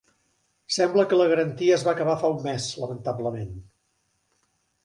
Sembla que la garantia es va acabar fa un mes, lamentablement.